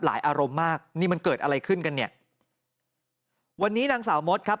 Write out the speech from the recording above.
อารมณ์มากนี่มันเกิดอะไรขึ้นกันเนี่ยวันนี้นางสาวมดครับ